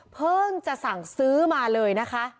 เพิ่งจะสั่งซื้อมาเลยนะคะ